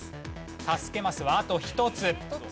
助けマスはあと１つ。